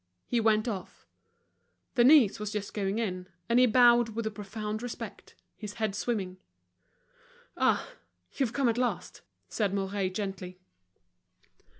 He went off. Denise was just going in, and he bowed with a profound respect, his head swimming. "Ah! you've come at last!" said Mouret gently.